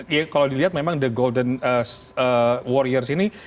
ya kalau dilihat memang the golden warriors ini